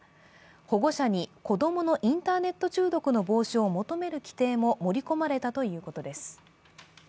保護者に子供のインターネット中毒の防止を求める規定も盛り込まれたということです。